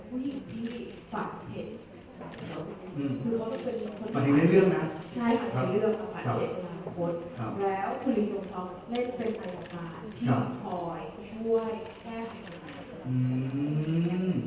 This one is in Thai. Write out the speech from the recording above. อืม